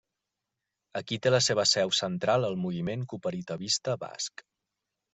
Aquí té la seva seu central el moviment cooperativista basc.